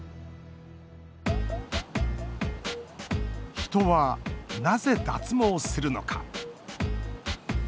人は、なぜ脱毛するのか。